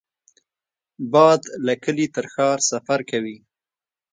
باد له کلي تر ښار سفر کوي